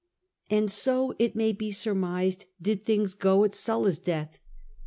" And so, it may be surmised, did things go at Sulla's death.